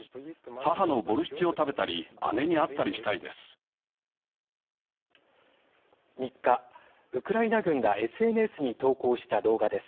母のボルシチを食べたり姉に会ったりしたいです。